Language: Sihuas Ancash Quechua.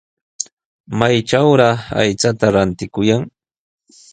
¿Maytrawraq aychata rantikuyan?